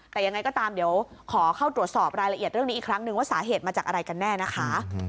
แต่ยังไงก็ตามเดี๋ยวขอเข้าตรวจสอบรายละเอียดเรื่องนี้อีกครั้งนึงว่าสาเหตุมาจากอะไรกันแน่นะคะ